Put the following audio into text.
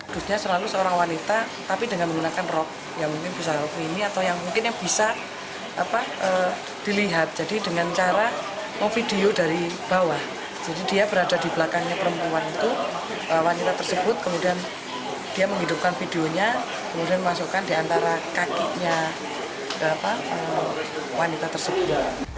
dia mengidupkan videonya kemudian masukkan di antara kakinya wanita tersebut